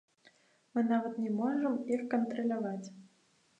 Мы нават не можам іх кантраляваць.